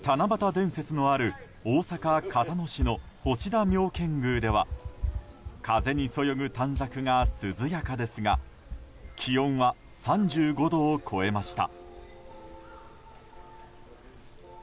伝説のある大阪・交野市の星田妙見宮では風にそよぐ短冊が涼やかですが気温は３５度を超えました。